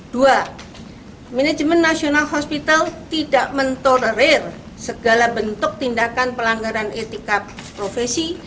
dua manajemen nasional hospital tidak mentolerir segala bentuk tindakan pelanggaran etika profesi